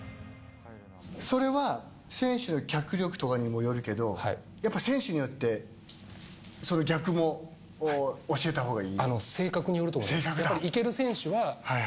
それは選手の脚力とかにもよるけど選手によってその逆も教えたほうがいい？